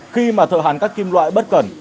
khi mà thợ hàn các kim loại bất cẩn